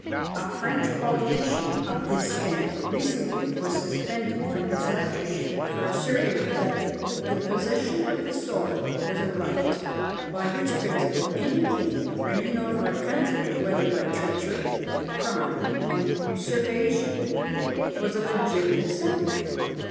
A French politician of this stamp recently was suspended from his lectureship for asserting that the possession of the soil was a right; by which principle, any king reigning over a country, whether by treachery, crime, and usurpation, was a legitimate sovereign.